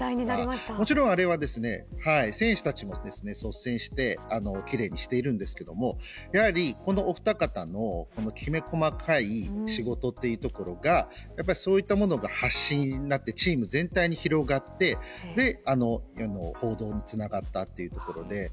もちろんあれは選手たちも率先して奇麗にしているんですがやはり、このお二方のきめ細かい仕事というところが発信になってチーム全体に広がって報道にもつながりました。